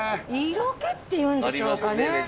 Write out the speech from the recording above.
色気っていうんでしょうかねありますね